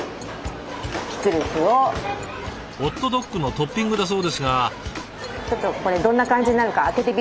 ホットドッグのトッピングだそうですが。